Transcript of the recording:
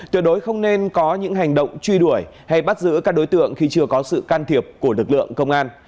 tuyệt đối không nên có những hành động truy đuổi hay bắt giữ các đối tượng khi chưa có sự can thiệp của lực lượng công an